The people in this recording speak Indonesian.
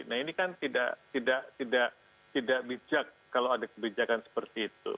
nah ini kan tidak bijak kalau ada kebijakan seperti itu